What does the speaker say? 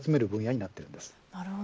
なるほど。